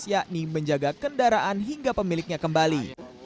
yakni menjaga kendaraan hingga pemiliknya kembali